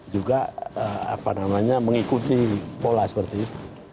juga mengikuti pola seperti itu